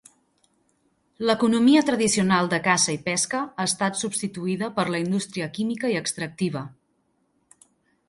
L'economia tradicional de caça i pesca ha estat substituïda per la indústria química i extractiva.